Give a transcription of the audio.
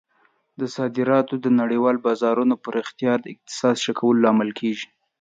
د صادراتو د نړیوالو بازارونو ته پراختیا د اقتصاد ښه کولو لامل کیږي.